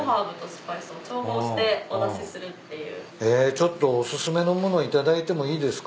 ちょっとお薦めの物頂いてもいいですか？